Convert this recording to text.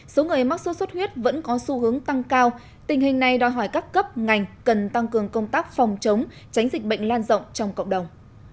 số người mắc sốt xuất huyết vẫn có xu hướng tăng cao tình hình này đòi hỏi các cấp ngành cần tăng cường công tác phòng chống tránh dịch bệnh lan rộng trong cộng đồng